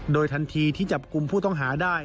โดยทันทีที่จับกลุ่มผู้ต้องหาได้